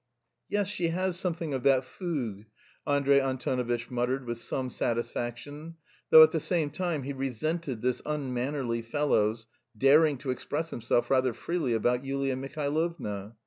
"Yes, she has something of that fougue," Andrey Antonovitch muttered with some satisfaction, though at the same time he resented this unmannerly fellow's daring to express himself rather freely about Yulia Mihailovna.